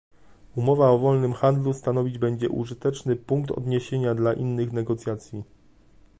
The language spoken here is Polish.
Umowa o wolnym handlu stanowić będzie użyteczny punkt odniesienia dla innych negocjacji